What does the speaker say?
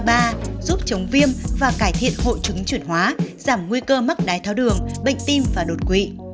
giúp chống viêm và cải thiện hội chứng chuyển hóa giảm nguy cơ mắc đái tháo đường bệnh tim và đột quỵ